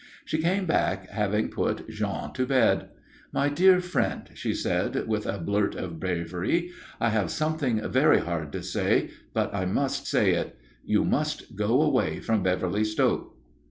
She came back, having put Jean to bed. "My dear friend," she said, with a blurt of bravery, "I have something very hard to say, but I must say it. You must go away from Beverly Stoke."